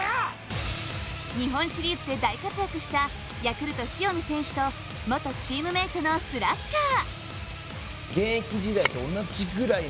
日本シリーズで大活躍したヤクルト・塩見選手と元チームメートのスラッガー。